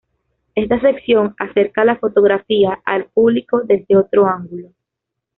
Esta sección acerca la fotografía al público desde otro ángulo.